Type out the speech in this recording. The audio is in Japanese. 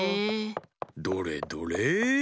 どれどれ？